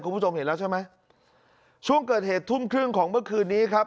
คุณผู้ชมเห็นแล้วใช่ไหมช่วงเกิดเหตุทุ่มครึ่งของเมื่อคืนนี้ครับ